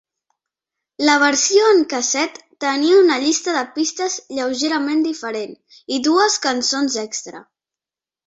La versió en casset tenia una llista de pistes lleugerament diferent i dues cançons extra.